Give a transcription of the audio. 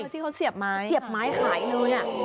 ที่เขาเสียบไม้เสียบไม้ขายอยู่เนี่ย